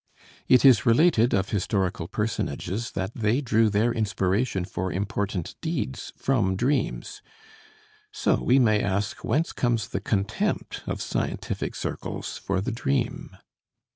It is related of historical personages that they drew their inspiration for important deeds from dreams. So we may ask whence comes the contempt of scientific circles for the dream?